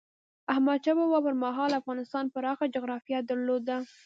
احمد شاه بابا پر مهال افغانستان پراخه جغرافیه درلوده.